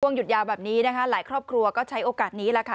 หยุดยาวแบบนี้นะคะหลายครอบครัวก็ใช้โอกาสนี้แหละค่ะ